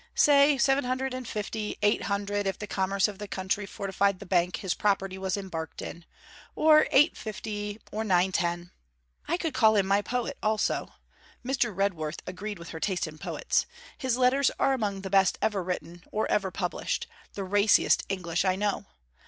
Say, seven hundred and fifty.... eight hundred, if the commerce of the country fortified the Bank his property was embarked in; or eight fifty or nine ten.... 'I could call him my poet also,' Mr. Redworth agreed with her taste in poets. 'His letters are among the best ever written or ever published: the raciest English I know.